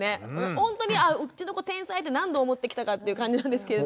ほんとにあうちの子天才って何度思ってきたかって感じなんですけど。